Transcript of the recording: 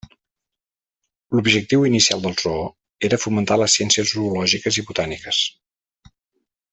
L'objectiu inicial del zoo era fomentar les ciències zoològiques i botàniques.